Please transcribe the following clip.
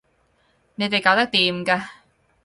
你哋搞得掂㗎